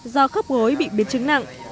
do khớp gối bị biến chứng nặng